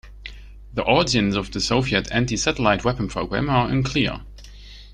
The origins of the Soviet anti-satellite weapon program are unclear.